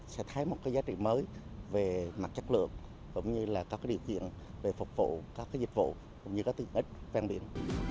sẽ thấy một cái giá trị mới về mặt chất lượng cũng như là các điều kiện về phục vụ các dịch vụ cũng như các tiện ích ven biển